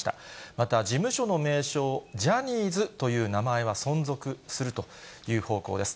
また、事務所の名称、ジャニーズという名前は存続するという方向です。